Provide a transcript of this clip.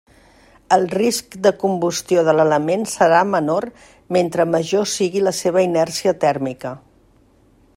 El risc de combustió de l'element serà menor mentre major sigui la seva inèrcia tèrmica.